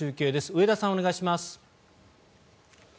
上田さん、お願いします。